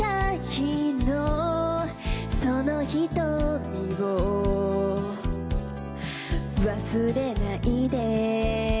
「その瞳を忘れないで」